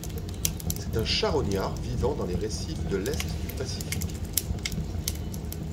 C'est un charognard vivant dans les récifs de l'Est du Pacifique.